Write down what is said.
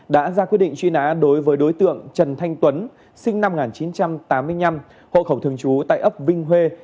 đã ra quyết định truy nã đối với đối tượng trần thanh tuấn sinh năm một nghìn chín trăm tám mươi năm hộ khẩu thường trú tại ấp vinh huê